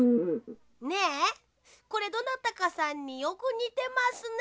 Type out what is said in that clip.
ねえこれどなたかさんによくにてますね。